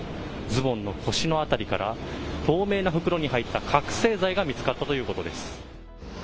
ズボンの腰の辺りから透明な袋に入った覚醒剤が見つかったということです。